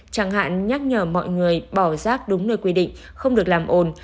chẳng hạn nhắc nhở mọi người bỏ rác đúng nơi quy định không được làm ồn